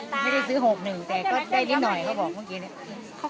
ไม่ได้ซื้อ๖๑แต่ก็ได้นิดหน่อยเขาบอกเมื่อกี้เนี่ย